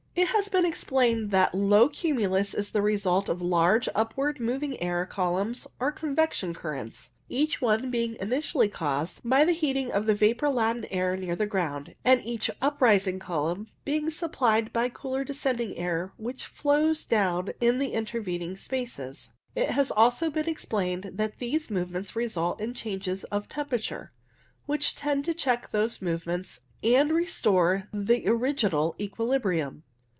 It has been explained that low cumulus is the result of large upward moving air columns or convection currents, each one being initially caused by the heating of the vapour laden air near the ground, and each uprising column being supplied by cooler descending air which flows down in the intervening spaces. It has also been explained that these movements result in changes of temperature, which tend to check those move ments and restore the original equilibrium.